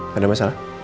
ma sebentar ya